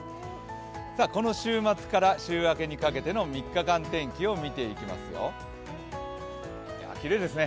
この週末から週明けにかけての３日間天気を見ていきますよ。